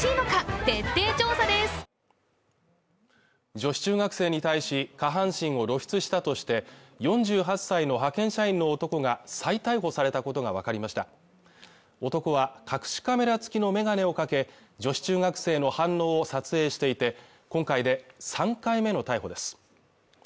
女子中学生に対し下半身を露出したとして４８歳の派遣社員の男が再逮捕されたことが分かりました男は隠しカメラ付きの眼鏡をかけ女子中学生の反応を撮影していて今回で３回目の逮捕です